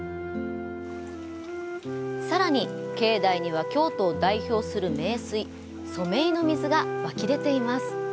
さらに、境内には京都を代表する名水「染井の水」が湧き出ています。